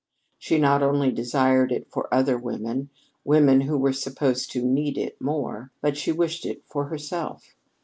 She not only desired it for other women, women who were supposed to "need it" more, but she wished it for herself.